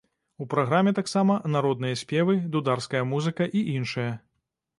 У праграме таксама народныя спевы, дударская музыка і іншае.